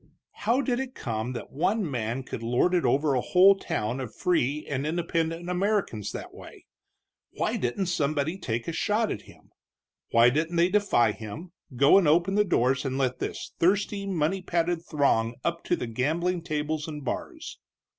How did it come that one man could lord it over a whole town of free and independent Americans that way? Why didn't somebody take a shot at him? Why didn't they defy him, go and open the doors and let this thirsty, money padded throng up to the gambling tables and bars?